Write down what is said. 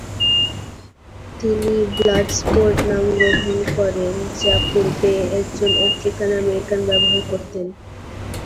তিনি "ব্লাডস্পোর্ট" নাম গ্রহণ করেন, যা পূর্বে একজন আফ্রিকান আমেরিকান ব্যবহার করতেন।